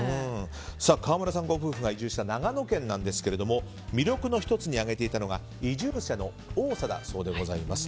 川村さんがご夫婦が移住した長野県ですが魅力の１つに挙げていたのが移住者の多さだそうです。